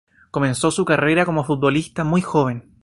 Comenzó su carrera como futbolista muy joven.